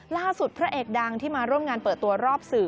พระเอกดังที่มาร่วมงานเปิดตัวรอบสื่อ